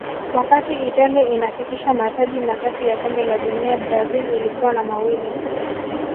wakati italia inafikisha mataji matatu ya kombe la dunia brazil ilikuwa na mawili